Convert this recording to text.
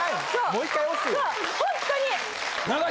もう１回押せや。